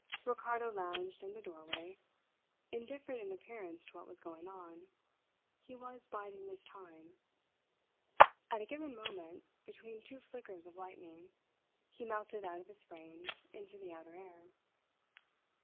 Ricardo lounged in the doorway. Indifferent in appearance to what was going on, he was biding his time. At a given moment, between two flickers of lightning, he melted out of his frame into the outer air.